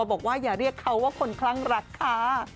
บอกว่าอย่าเรียกเขาว่าคนคลั่งรักค่ะ